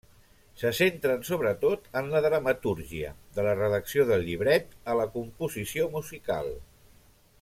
Se centren sobretot en la dramatúrgia, de la redacció del llibret a la composició musical.